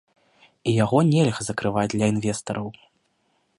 І яго нельга закрываць для інвестараў.